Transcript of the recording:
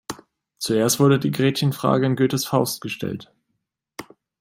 Zuerst wurde die Gretchenfrage in Goethes Faust gestellt.